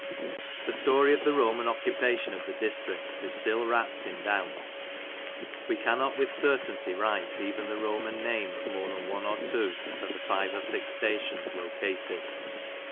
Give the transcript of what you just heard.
The story of the Roman occupation of the district is still wrapped in doubts. We cannot with certainty write even the Roman name of more than one or two of the five or six stations located.